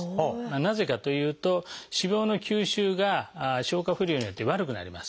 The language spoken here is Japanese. なぜかというと脂肪の吸収が消化不良によって悪くなります。